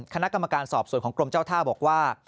คณะกรรมการสอบส่วนของกรมเจ้าท่าบอกว่า